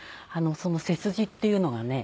その背筋っていうのがね